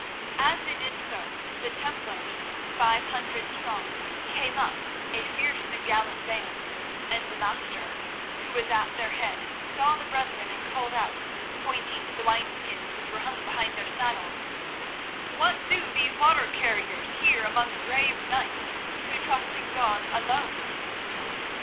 As they did so, the Templars, five hundred strong, came up, a fierce and gallant band, and the Master, who was at their head, saw the brethren and called out, pointing to the wineskins which were hung behind their saddles: "What do these water carriers here among brave knights who trust in God alone?"